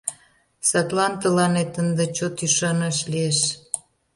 Садлан тыланет ынде чот ӱшанаш лиеш.